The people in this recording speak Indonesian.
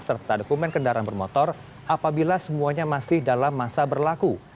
serta dokumen kendaraan bermotor apabila semuanya masih dalam masa berlaku